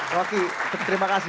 roky terima kasih